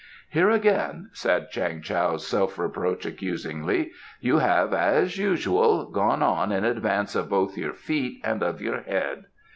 "Here, again," said Chang Tao's self reproach accusingly, "you have, as usual, gone on in advance of both your feet and of your head.